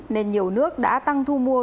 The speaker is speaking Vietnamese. nên nhiều nước đã tăng thu mua